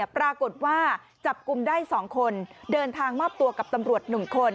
ปรากฏว่าจับกลุ่มได้๒คนเดินทางมอบตัวกับตำรวจ๑คน